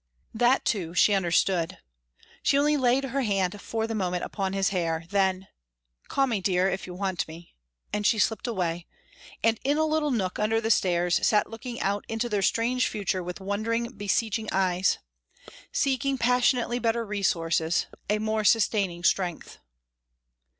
That too she understood. She only laid her hand for the moment upon his hair. Then: "Call me, dear, if you want me," and she slipped away, and in a little nook under the stairs sat looking out into their strange future with wondering, beseeching eyes seeking passionately better resources, a more sustaining strength.